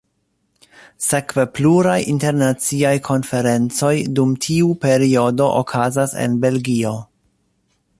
Sekve pluraj internaciaj konferencoj dum tiu periodo okazas en Belgio.